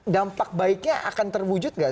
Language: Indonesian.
dampak baiknya akan terwujud nggak